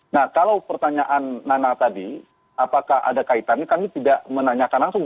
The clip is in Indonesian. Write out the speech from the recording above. nah kalau pertanyaan nana tadi apakah ada kaitannya kami tidak menanyakan langsung